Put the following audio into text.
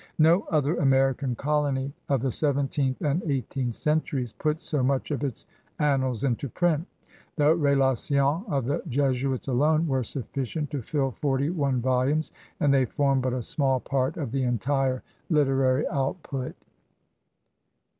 No other American colony of the seventeenth and eighteenth centuries put so much of its annals into print; the RSlaHons of the Jesuits alone were sufficient to fill forty one vol umes, and they form but a small part of the entire literary output.